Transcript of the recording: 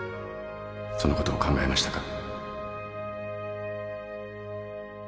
そのことを考えましたか？